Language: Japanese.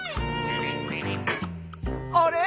あれ？